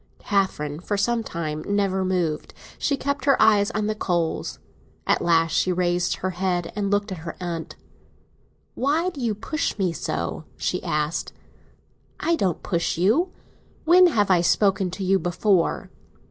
Catherine for some time never moved; she kept her eyes on the coals. At last she raised her head and looked at her aunt. "Why do you push me so?" she asked. "I don't push you. When have I spoken to you before?"